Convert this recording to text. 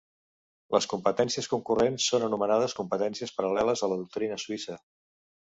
Les competències concurrents són anomenades competències paral·leles a la doctrina suïssa.